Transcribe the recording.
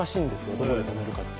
どこで止めるかって。